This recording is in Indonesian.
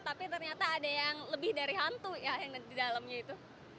tapi ternyata ada yang lebih dari hantu ya yang di dalamnya itu